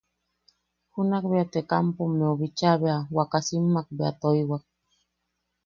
Junak bea te kampommeu bicha bea wakasimmak bea toiwak.